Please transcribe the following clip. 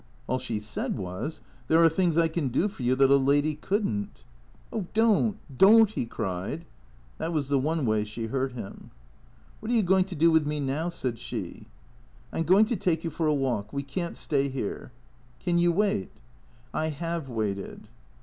All she said was, " There are things I can do for you that a lady could n't." " Oh — don't — don't !" he cried. That was the one way she hurt him. " What are you going to do with me now ?" said she. " I 'm going to take you for a walk. We can't stay here." " Can you wait ?"" I have waited."